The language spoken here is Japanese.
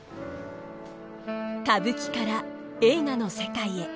歌舞伎から映画の世界へ。